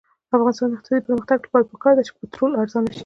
د افغانستان د اقتصادي پرمختګ لپاره پکار ده چې پټرول ارزانه شي.